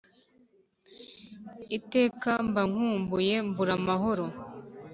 Iteka mbangukumbuye mburamahoro